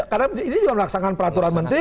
karena ini juga melaksanakan peraturan menteri